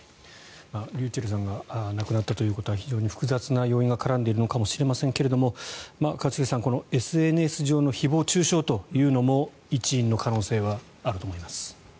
ｒｙｕｃｈｅｌｌさんが亡くなったということは非常に複雑な要因が絡んでいるのかもしれませんが一茂さんＳＮＳ上の誹謗・中傷というのも一因の可能性はあると思います。